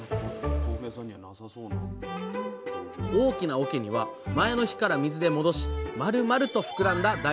大きなおけには前の日から水で戻しまるまると膨らんだ大豆。